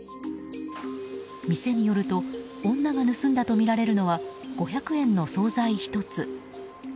店によると女が盗んだとみられるのは５００円の総菜１つ。